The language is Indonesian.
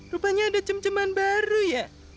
rupanya ada cem ceman baru ya